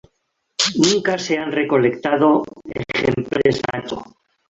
Nunca se han recolectado ejemplares macho.